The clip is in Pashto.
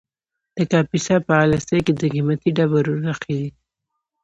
د کاپیسا په اله سای کې د قیمتي ډبرو نښې دي.